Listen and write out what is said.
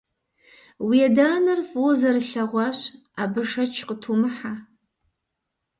Уи адэ-анэр фӀыуэ зэрылъэгъуащ, абы шэч къытумыхьэ.